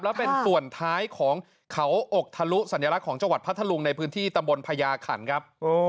และเป็นส่วนท้ายของเขาอกทะลุสัญลักษณ์ของจังหวัดพัทธลุงในพื้นที่ตำบลพญาขันครับ